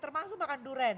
termasuk makan durian